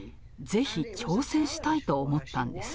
ぜひ挑戦したいと思ったんです。